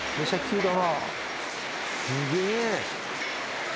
すげえ。